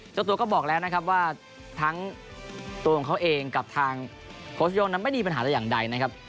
เจ้าตัวก็บอกแล้วนะครับว่าทั้งตัวของเขาเองกับทางโค้ชโย่งนั้นไม่มีปัญหาแต่อย่างใดนะครับ